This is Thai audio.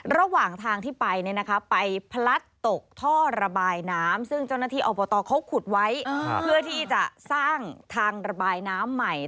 ระหว่างทางที่ไปไปพลัดตกท่อระบายน้ำซึ่งเจ้าหน้าที่อบตเขาขุดไว้เพื่อที่จะสร้างทางระบายน้ำใหม่